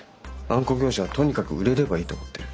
あんこ業者はとにかく売れればいいと思ってる。